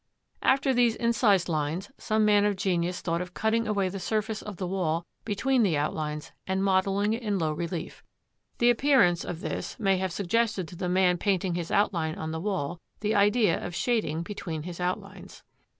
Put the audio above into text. After these incised lines some man of genius thought of cutting away the surface of the wall between the outlines and modelling it in low relief. The appearance of this may have suggested to the man painting his outline on the wall the idea of shading between his outlines.